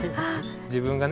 自分がね